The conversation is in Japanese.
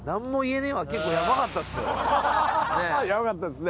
ヤバかったですね。